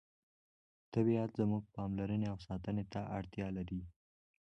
طبیعت زموږ پاملرنې او ساتنې ته اړتیا لري